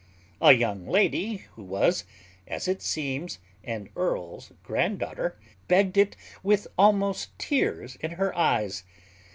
A young lady, who was, as it seems, an earl's grand daughter, begged it with almost tears in her eyes.